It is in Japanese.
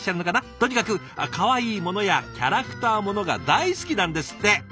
とにかくかわいいものやキャラクターものが大好きなんですって。